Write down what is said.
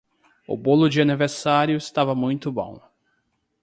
O bolo de aniversário estava muito bom.